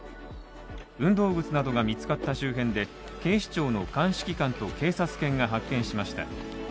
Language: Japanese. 運動靴などが見つかった周辺で警視庁の鑑識官と警察犬が発見しました。